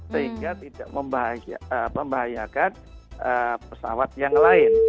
sehingga tidak membahayakan pesawat yang lain